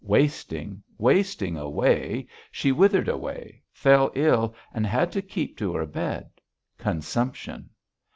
Wasting, wasting away, she withered away, fell ill and had to keep to her bed.... Consumption.